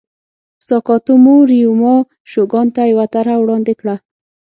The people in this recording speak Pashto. ساکاتومو ریوما شوګان ته یوه طرحه وړاندې کړه.